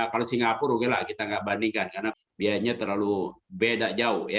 kalau singapura oke lah kita nggak bandingkan karena biayanya terlalu beda jauh ya